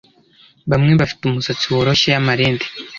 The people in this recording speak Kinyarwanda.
Bamwe bafite umusatsi woroshye y’ amarende